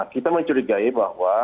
kita mencurigai bahwa